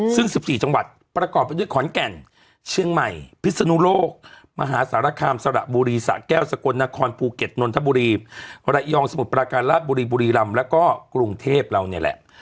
ซึ่ง๑๔จังหวัดประกอบไปด้วยขอนแก่นเชียงใหม่พิศนุโลกมหาสารคามสระบุรีสะแก้วสกลนครภูเก็ตนนทบุรีระยองสมุทรประการราชบุรีบุรีรำแล้วก็กรุงเทพเราเนี่ยแหละ